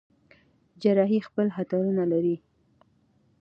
جراحي خپل خطرونه لري.